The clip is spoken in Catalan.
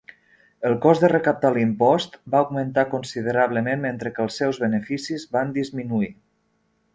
El cost de recaptar l'impost va augmentar considerablement, mentre que els seus beneficis van disminuir.